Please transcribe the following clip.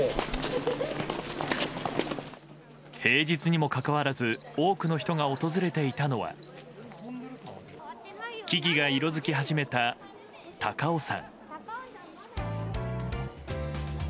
平日にもかかわらず多くの人が訪れていたのは木々が色づき始めた高尾山。